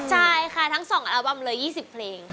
ใช่ค่ะทั้ง๒อัลบัมเลย๒๐เพลง